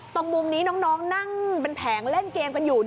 ตรงมุมนี้น้องนั่งเป็นแผงเล่นเกมกันอยู่